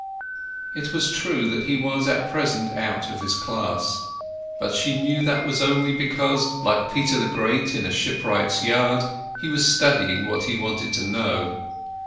It was true that he was at present out of his class. But she knew that was only because, like Peter the Great in a shipwright's yard, he was studying what he wanted to know.